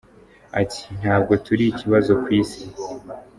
Ati “Ntabwo turi ikibazo ku Isi.